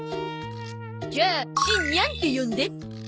じゃあしんニャンって呼んで。